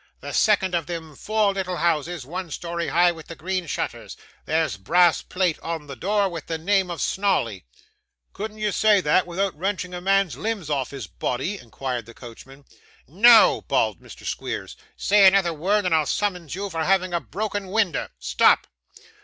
'The second of them four little houses, one story high, with the green shutters. There's brass plate on the door, with the name of Snawley.' 'Couldn't you say that without wrenching a man's limbs off his body?' inquired the coachman. 'No!' bawled Mr. Squeers. 'Say another word, and I'll summons you for having a broken winder. Stop!